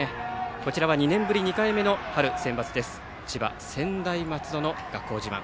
こちらは２年ぶり２回目の春センバツ千葉・専大松戸の学校自慢。